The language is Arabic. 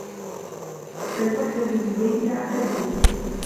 كالمحتمي ببيت العنكبوت